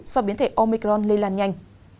do biến thể omicron lây lan nhanh